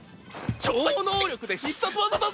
超能力で必殺技だぜ！